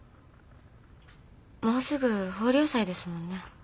もうすぐ豊漁祭ですもんね。